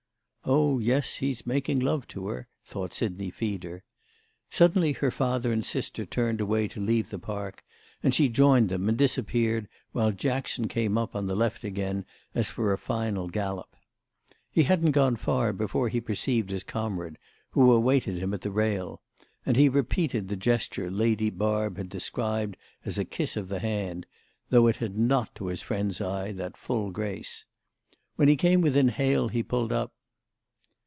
"Oh yes, he's making love to her," thought Sidney Feeder. Suddenly her father and sister turned away to leave the Park, and she joined them and disappeared while Jackson came up on the left again as for a final gallop. He hadn't gone far before he perceived his comrade, who awaited him at the rail; and he repeated the gesture Lady Barb had described as a kiss of the hand, though it had not to his friend's eyes that full grace. When he came within hail he pulled up.